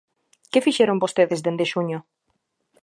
¿Que fixeron vostedes dende xuño?